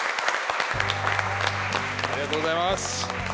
ありがとうございます。